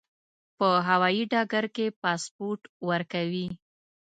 په هوایي ډګر کې پاسپورت ورکوي.